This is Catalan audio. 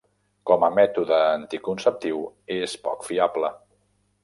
Com a mètode anticonceptiu és poc fiable.